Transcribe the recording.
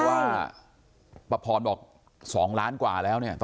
ว่าป้าพรบอก๒ล้านกว่าแล้วเนี่ย